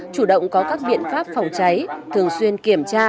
chủ động có các biện pháp phòng cháy thường xuyên kiểm tra